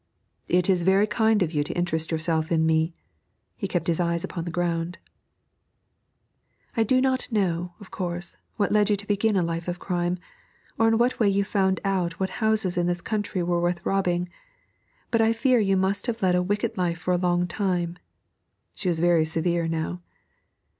'It is very kind of you to interest yourself in me.' He kept his eyes upon the ground. 'I do not know, of course, what led you to begin a life of crime, or in what way you found out what houses in this country were worth robbing, but I fear you must have led a wicked life for a long time' (she was very severe now).